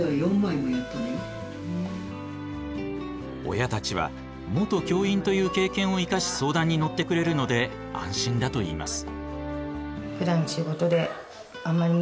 親たちは元教員という経験を生かし相談に乗ってくれるので安心だといいます。